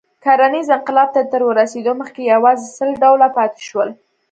کرنیز انقلاب ته تر رسېدو مخکې یواځې سل ډوله پاتې شول.